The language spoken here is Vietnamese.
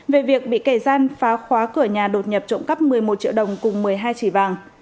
về việc bị kẻ gian phá khóa cửa nhà đột nhập trộm cắp một mươi một triệu đồng cùng một mươi hai chỉ vàng